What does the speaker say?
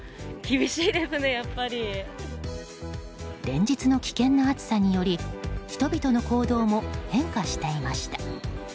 連日の危険な暑さにより人々の行動も変化していました。